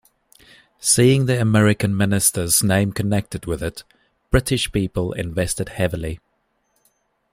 Seeing the American minister's name connected with it, British people invested heavily.